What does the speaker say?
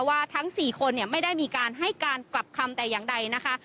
ทั้ง๔คนไม่ได้มีการให้การกลับคำแต่อย่างใดนะคะ